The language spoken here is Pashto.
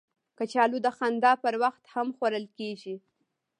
کچالو د خندا پر وخت هم خوړل کېږي